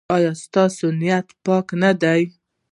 ایا ستاسو نیت پاک نه دی؟